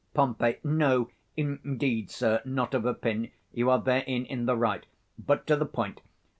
Pom. No, indeed, sir, not of a pin; you are therein in the right: but to the point.